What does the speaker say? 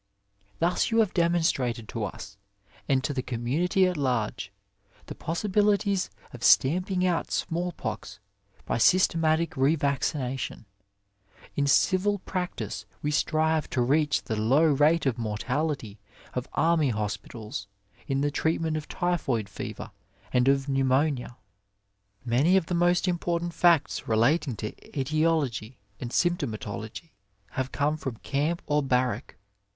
Thus you have demonstrated to us, and to the community at large, the possibilities of stamping out smallpox by systematic revaccination ; in civil practice we strive to reach the low rate of mortcdity of army hospitals in the treatment of typhoid fever and of pneumonia. Many of the most important facts relating to etiology and symptomatology have come from camp or barrack.